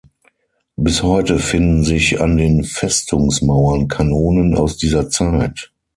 Bis heute finden sich an den Festungsmauern Kanonen aus dieser Zeit.